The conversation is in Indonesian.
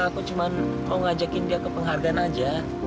aku cuma mau mengajakin dia ke penghargaan saja